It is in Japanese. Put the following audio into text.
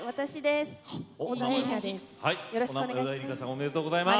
おめでとうございます。